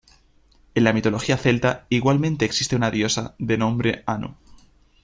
En la mitología celta igualmente existe una diosa de nombre Anu.